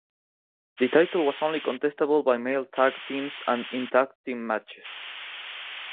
The title was only contestable by male tag teams and in tag team matches.